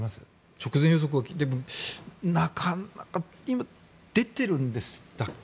直前予測はなかなか今出てるんでしたっけ？